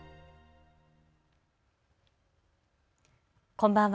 こんばんは。